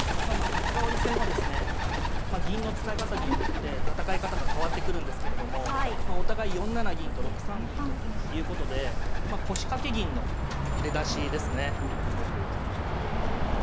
角換わり戦はですね銀の使い方によって戦い方が変わってくるんですけれどもお互い４七銀と６三銀ということで腰掛け銀の出だしですね。